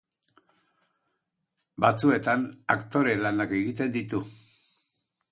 Batzuetan aktore lanak egiten ditu.